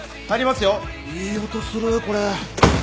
いい音するこれ。